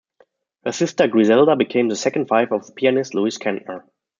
Her sister Griselda became the second wife of the pianist Louis Kentner.